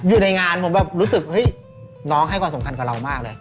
อยู่ในงานผมแบบรู้สึกเฮ้ยน้องให้ความสำคัญกับเรามากเลย